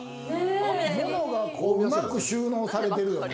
物がうまく収納されてるよね。